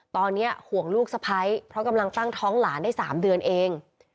ตอนนี้ห่วงลูกสะพ้ายเพราะกำลังตั้งท้องหลานได้๓เดือนเอง